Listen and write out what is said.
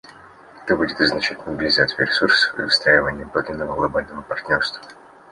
Это будет означать мобилизацию ресурсов и выстраивание подлинно глобального партнерства.